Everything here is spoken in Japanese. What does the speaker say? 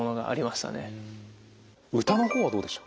歌の方はどうでした？